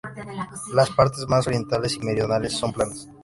Las partes más orientales y meridionales son planas.